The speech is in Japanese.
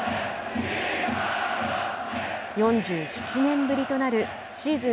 ４７年ぶりとなるシーズン